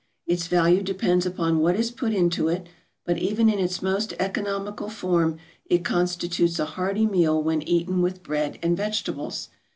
Its value depends upon what is put into it, but even in its most economical form it constitutes a hearty meal when eaten with bread and vegetables.